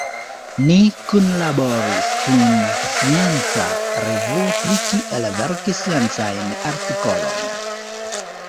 Ni kunlaboris kun scienca revuo pri kiel verki sciencajn artikolojn.